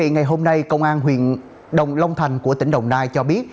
ngày hôm nay công an huyện đồng long thành của tỉnh đồng nai cho biết